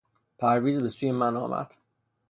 پرویز به سوی من آمد.